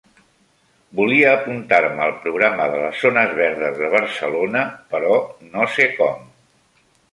Volia apuntar-me al programa de les zones verdes de Barcelona, però no sé com.